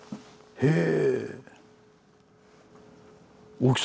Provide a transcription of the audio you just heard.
へえ。